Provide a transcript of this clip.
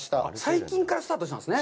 最近からスタートしたんですね？